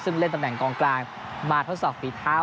ซึ่งเล่นตำแหน่งกองกลางมาทดสอบฝีเท้า